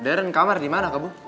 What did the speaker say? deren kamar dimana kah bu